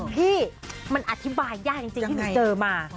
พี่มันอธิบายยากจริงที่หนูเจอมา